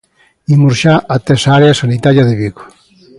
Imos xa ata esa área sanitaria de Vigo.